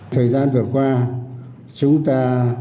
thời gian vừa qua chúng ta